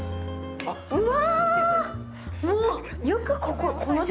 うわ。